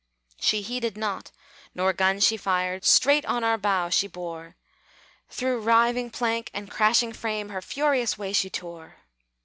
She heeded not, nor gun she fired, Straight on our bow she bore; Through riving plank and crashing frame Her furious way she tore.